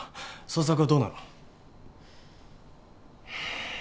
捜索はどうなの？